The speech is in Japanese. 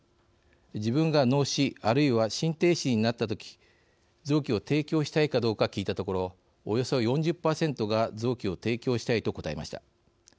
自分が脳死あるいは心停止になった時臓器を提供したいかどうか聞いたところおよそ４０％が臓器を提供したいと答えました。